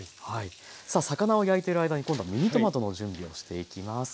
さあ魚を焼いている間に今度はミニトマトの準備をしていきます。